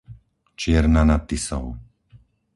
Čierna nad Tisou